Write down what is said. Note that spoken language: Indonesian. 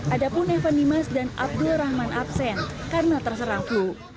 ada pun evan dimas dan abdul rahman absen karena terserang flu